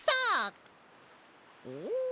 お！